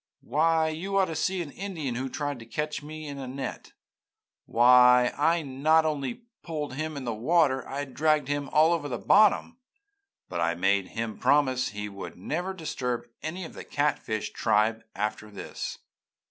Why, you ought to see an Indian who tried to catch me in a net! Why, I not only pulled him in the water and dragged him all over the bottom, but I made him promise he would never disturb any of the catfish tribe after this!'